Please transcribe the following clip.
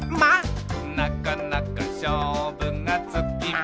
「なかなかしょうぶがつきません」